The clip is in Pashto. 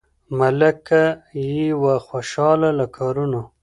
ملکه یې وه خوشاله له کارونو